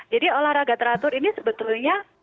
jadi olahraga teratur ini sebetulnya tidak hanya bermanfaat untuk